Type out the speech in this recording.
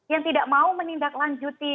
yang tidak mau menindaklanjuti